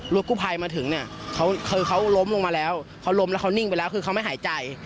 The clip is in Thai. กู้ภัยมาถึงเนี่ยเขาคือเขาล้มลงมาแล้วเขาล้มแล้วเขานิ่งไปแล้วคือเขาไม่หายใจ